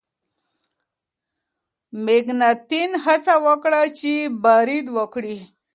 مکناتن هڅه وکړه چې برید وکړي.